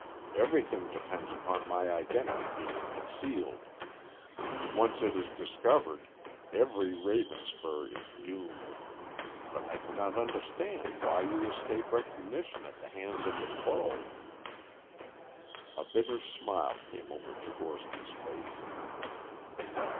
"Everything depends upon my identity being concealed. Once it is discovered, every Ravenspur is doomed. But I cannot understand why you escape recognition at the hands of the foe." A bitter smile came over Tchigorsky's face.